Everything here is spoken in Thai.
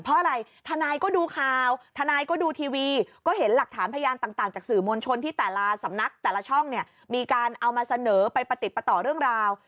เพราะอะไรทนายก็ดูข่าวทนายก็ดูทีวีก็เห็นหลักฐานพยานต่างจากสื่อมวลชนที่แต่ละสำนักแต่ละช่องเนี่ยมีการเอามาเสนอไปประติดประต่อเรื่องราว